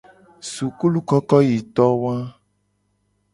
Sukulukokoyitowa.